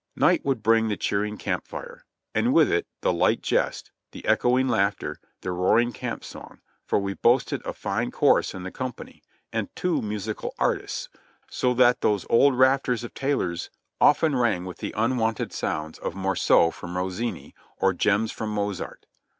Night would bring the cheering camp fire, and with it the light jest, the echoing laughter, the roaring camp song, for we boasted a fine chorus in the company, and two musical artists, so that those old rafters of Taylor's often rang with the unwonted sounds of morceaux from Rossini or gems from Mozart.